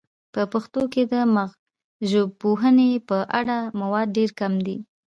په پښتو کې د مغزژبپوهنې په اړه مواد ډیر کم دي